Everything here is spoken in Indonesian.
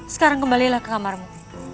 sekarang kembalilah ke kamarmu